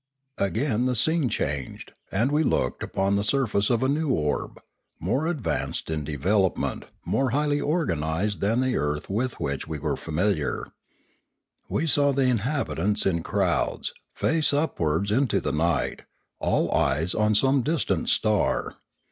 Again the scene changed, and we looked upon the surface of a new orb, more advanced in vital develop ment, more highly organised than the earth with which we were familiar. We saw the inhabitants in crowds, face upwards into the night, all eyes upon some distant star.